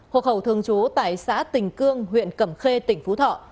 hộ khẩu thường trú tại xã tình cương huyện cẩm khê tỉnh phú thọ